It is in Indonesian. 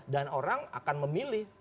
dan orang akan memilih